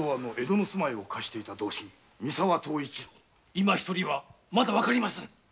いま一人はまだわかりませぬ。